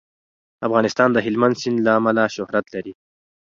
افغانستان د هلمند سیند له امله شهرت لري.